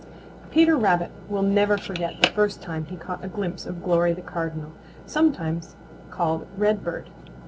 Peter Rabbit never will forget the first time he caught a glimpse of Glory the Cardinal, sometimes called Redbird.